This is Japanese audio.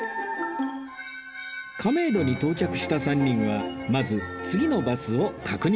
亀戸に到着した３人はまず次のバスを確認するようです